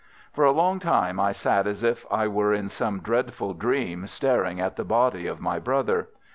"For a long time I sat as if I were in some dreadful dream, staring at the body of my brother.